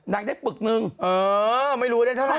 นางได้ปึกนึงเออไม่รู้ได้เท่าไหร่นะ